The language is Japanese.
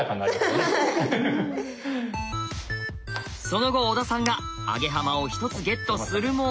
その後小田さんがアゲハマを１つゲットするも。